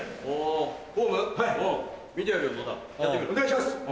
お願いします！